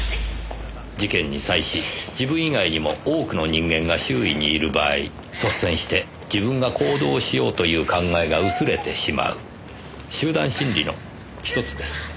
事件に際し自分以外にも多くの人間が周囲にいる場合率先して自分が行動しようという考えが薄れてしまう集団心理の１つです。